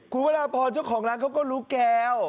คุณวราพรเจ้าของร้านเขาก็รู้แก้ว